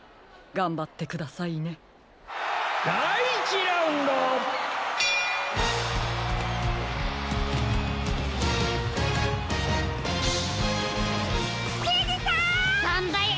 がんばれ！